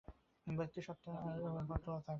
ব্যক্তি-সত্তার আর একটি সমস্যার কথা তাহা হইলে তোলা যাক।